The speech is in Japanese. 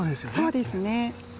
そうですね。